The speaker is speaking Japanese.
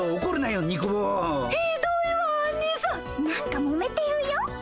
なんかもめてるよ。